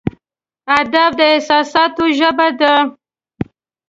ادب د احساساتو ژبه ده.